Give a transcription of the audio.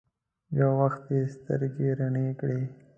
يو وخت يې سترګې رڼې کړې.